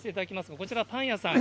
こちら、パン屋さん。